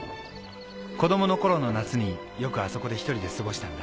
子供の頃の夏によくあそこで１人で過ごしたんだ。